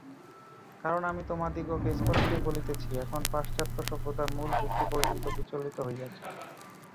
কারণ আমি তোমাদিগকে স্পষ্টই বলিতেছি, এখন পাশ্চাত্য সভ্যতার মূল ভিত্তি পর্যন্ত বিচলিত হইয়াছে।